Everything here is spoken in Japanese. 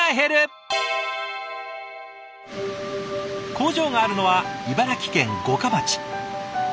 工場があるのは茨城県五霞町。